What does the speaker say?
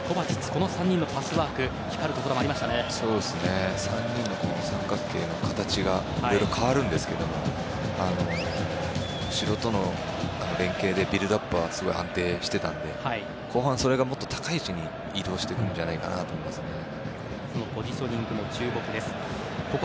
この３人のパスワーク３人の三角形の形がいろいろ変わるんですけど後ろとの連係で、ビルドアップはすごい安定していたので後半、それがもっと高い位置に移動していくんじゃないかなとそのポジショニングも注目です。